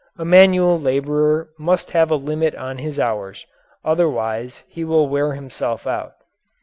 A manual labourer must have a limit on his hours, otherwise he will wear himself out.